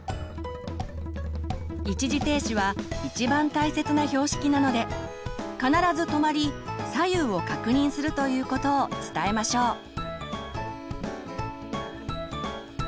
一時停止は一番大切な標識なので必ず止まり左右を確認するということを伝えましょう。